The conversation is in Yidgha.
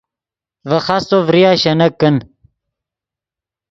ڤے خاستو ڤریا شینک کن